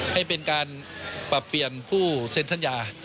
ให้เป็นการปรับเปลี่ยนผู้เซ็นสัญญา